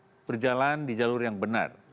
bangsa ini sudah berjalan di jalur yang benar